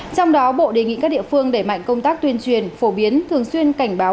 trong đó bộ đề nghị các địa phương đẩy mạnh công tác tuyên truyền phổ biến thường xuyên cảnh báo